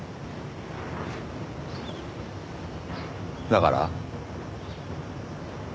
だから？